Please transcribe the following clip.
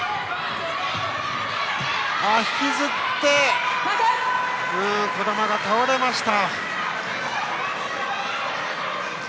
引きずって、児玉が倒れました。